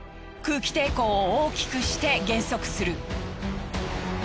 空気抵抗を大きくして減速する。